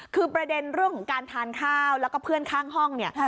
คือประเด็นเรื่องของการทานข้าวแล้วก็เพื่อนข้างห้องเนี่ย